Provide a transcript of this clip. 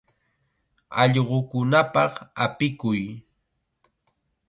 Allqukunapaq apikuy.